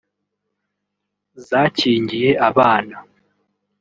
zakingiye abana